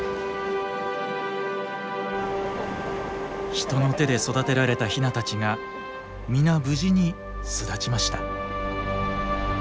人の手で育てられたヒナたちが皆無事に巣立ちました。